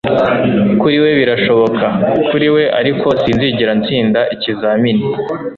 Kuri we birashoboka kuri we ariko sinzigera ntsinda ikizamini